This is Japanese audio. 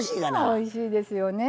おいしいですよね。